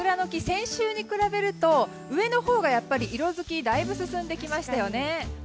先週に比べると上のほうがやっぱり色づきがだいぶ進んできましたね。